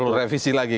gak perlu revisi lagi